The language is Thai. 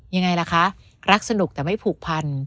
ยังไงล่ะคะรักสนุกแต่ไม่ผูกพัน